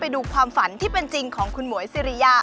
ดูความฝันที่เป็นจริงของคุณหมวยสิริยา